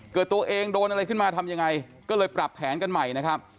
เกิดตัวเองโดนอะไรขึ้นมาทำยังไงก็เลยปรับแผนกันใหม่นะครับ